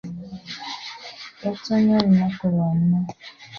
Yatonnye olunaku lwonna.